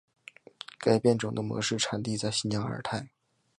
该物种的模式产地在新疆阿尔泰。